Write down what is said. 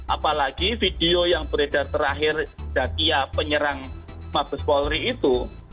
apalagi video yang beredar terakhir zakia penyerang mabes polri itu